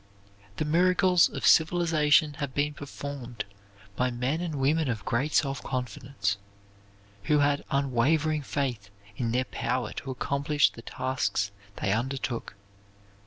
The miracles of civilization have been performed by men and women of great self confidence, who had unwavering faith in their power to accomplish the tasks they undertook.